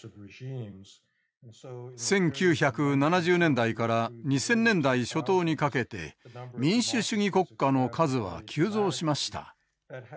１９７０年代から２０００年代初頭にかけて民主主義国家の数は急増しました。